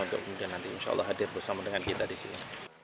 untuk nanti insyaallah hadir bersama dengan kita di sini